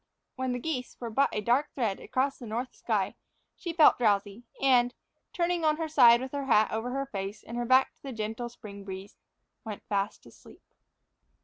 When the geese were but a dark thread across the north sky, she felt drowsy and, turning on her side with her hat over her face and her back to the gentle spring breeze, went fast asleep.